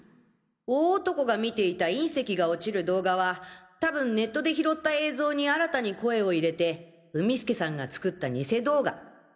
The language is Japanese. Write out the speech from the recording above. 大男が見ていた隕石が落ちる動画はたぶんネットで拾った映像に新たに声を入れて海輔さんが作った偽動画。